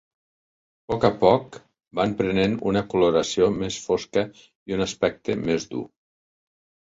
A poc a poc van prenent una coloració més fosca i un aspecte més dur.